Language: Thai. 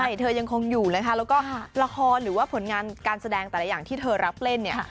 ใช่เธอยังคงอยู่นะคะแล้วก็ละครหรือว่าผลงานการแสดงแต่ละอย่างที่เธอรับเล่นเนี่ย